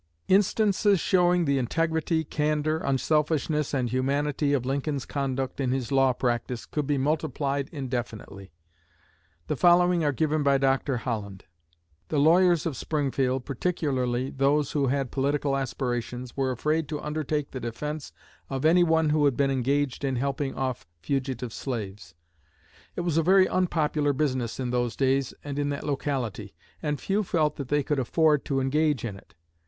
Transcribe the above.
'" Instances showing the integrity, candor, unselfishness, and humanity of Lincoln's conduct in his law practice could be multiplied indefinitely. The following are given by Dr. Holland: "The lawyers of Springfield, particularly those who had political aspirations, were afraid to undertake the defense of anyone who had been engaged in helping off fugitives slaves. It was a very unpopular business in those days and in that locality; and few felt that they could afford to engage in it.